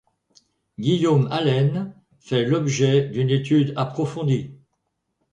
Guillaume Allène, fait l’objet d’une étude approfondie.